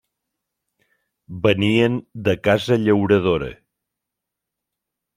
Venien de casa llauradora.